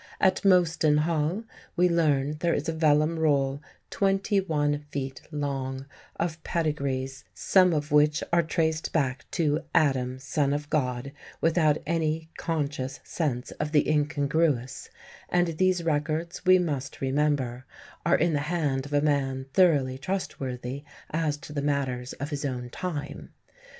At Mostyn Hall, we learn, there is a vellum roll, twenty one feet long, of pedigrees, some of which "are traced back to 'Adam, Son of God,' without any conscious sense of the incongruous"; and these records, we must remember, are in the hand of "a man thoroughly trustworthy as to the matters of his own time."